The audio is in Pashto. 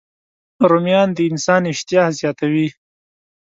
رومیان د انسان اشتها زیاتوي